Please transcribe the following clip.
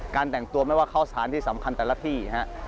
แต่งตัวไม่ว่าเข้าสถานที่สำคัญแต่ละที่ฮะ